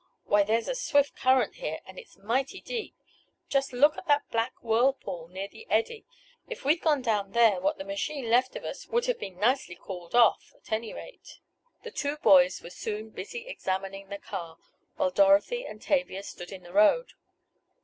Why there's a swift current here, and it's mighty deep. Just look at that black whirlpool near the eddy. If we'd gone down there what the machine left of us would have been nicely cooled off at any rate!" The two boys were soon busy examining the car, while Dorothy and Tavia stood in the road.